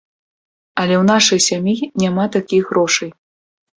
Але ў нашай сям'і няма такіх грошай.